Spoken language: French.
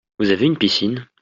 Vous avez une piscine ?